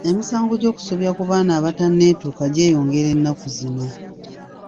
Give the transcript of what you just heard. Emisango gy'okusobya ku baana abatanneetuuka gyeyongera ennaku zino.